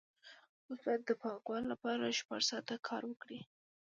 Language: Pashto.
اوس باید د پانګوال لپاره شپږ ساعته کار وکړي